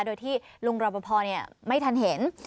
โดยที่ลุงรอบพอเนี่ยไม่ทันเห็น